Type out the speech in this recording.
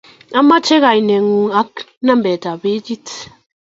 amache kainegung ak nambait ab bejit.